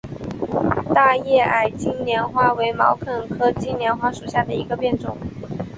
大叶矮金莲花为毛茛科金莲花属下的一个变种。